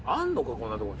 こんなとこに。